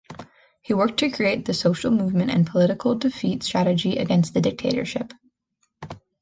He worked to create the social movement and political defeat strategy against the dictatorship.